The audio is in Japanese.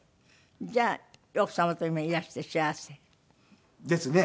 じゃあ奥様と今いらして幸せ？ですね。